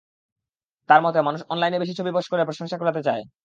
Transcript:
তাঁর মতে, মানুষ অনলাইনে বেশি ছবি পোস্ট করে প্রশংসা কুড়াতে চায়।